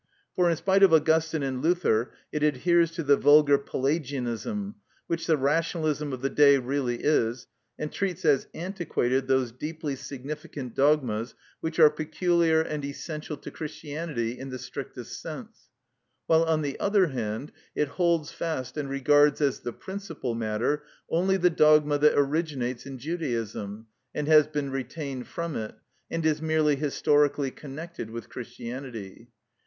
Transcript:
For, in spite of Augustine and Luther, it adheres to the vulgar Pelagianism, which the rationalism of the day really is, and treats as antiquated those deeply significant dogmas which are peculiar and essential to Christianity in the strictest sense; while, on the other hand, it holds fast and regards as the principal matter only the dogma that originates in Judaism, and has been retained from it, and is merely historically connected with Christianity.